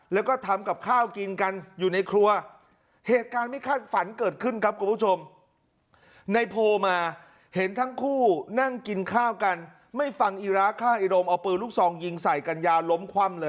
แล้วก็ทำกับข้าวกินกันอยู่ในครัวเหตุการณ์ไม่ค่าฝันเกิดขึ้นครับคุณผู้ชม